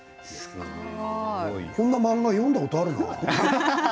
こんな漫画を読んだことがあるな。